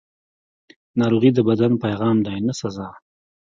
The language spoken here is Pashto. ناروغي د بدن پیغام دی، نه سزا.